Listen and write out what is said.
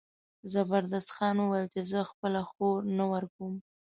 زبردست خان وویل چې زه خپله خور نه ورکوم.